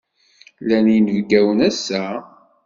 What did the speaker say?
Llan yinabayen ass-a?